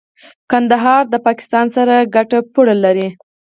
کندهار د پاکستان سره ګډه پوله لري.